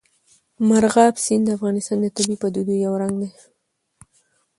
مورغاب سیند د افغانستان د طبیعي پدیدو یو رنګ دی.